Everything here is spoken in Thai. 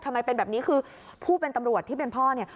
ทำไมเป็นแบบนี้คือผู้เป็นตำรวจที่เป็นพ่อเนี่ย